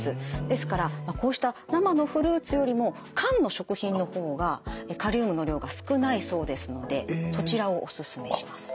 ですからこうした生のフルーツよりも缶の食品の方がカリウムの量が少ないそうですのでそちらをおすすめします。